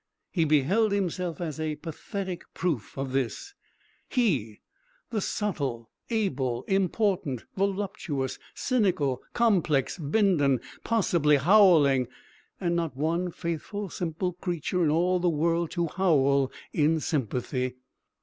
He beheld himself as a pathetic proof of this; he, the subtle, able, important, voluptuous, cynical, complex Bindon, possibly howling, and not one faithful simple creature in all the world to howl in sympathy.